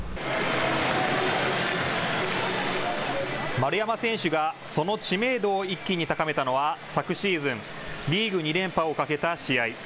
丸山選手がその知名度を一気に高めたのは昨シーズン、リーグ２連覇をかけた試合。